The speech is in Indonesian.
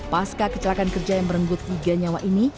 pasca kecelakaan kerja yang merenggut tiga nyawa ini